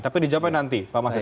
tapi dijawabkan nanti pak mas des